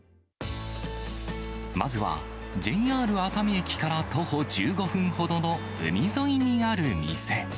まずは、ＪＲ熱海駅から徒歩１５分ほどの海沿いにある店。